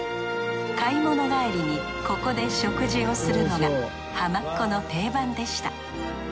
買い物帰りにここで食事をするのがハマっ子の定番でした。